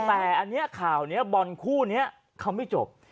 แต่อันนี้ข่าวนี้บอลคู่นี้เขาไม่จบ